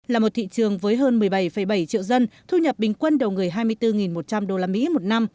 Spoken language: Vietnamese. là một thị trường với hơn một mươi bảy bảy triệu dân thu nhập bình quân đầu người hai mươi bốn một trăm linh usd một năm